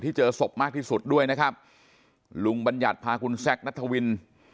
เจอศพมากที่สุดด้วยนะครับลุงบัญญัติพาคุณแซคนัทวิน